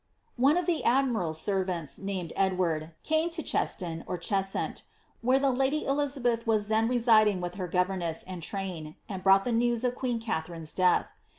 ^'* One of the admiral's servants, nanied Edward, came to Cheston, or Cheshunt, where the lady Elizabeth was then residing with her gover ness and train, and brought the news of queen Katharine's death.